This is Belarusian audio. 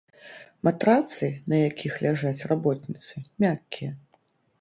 Матрацы, на якіх ляжаць работніцы, мяккія.